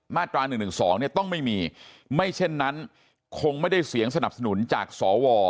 มาตรา๑๑๒เนี่ยต้องไม่มีไม่เช่นนั้นคงไม่ได้เสียงสนับสนุนจากสว